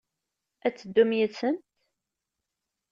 Ad teddum yid-sent?